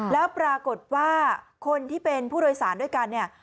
แล้วปรากฏว่าคนที่เป็นผู้โดยสารด้วยกันเนี่ย